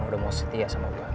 udah mau setia sama bapak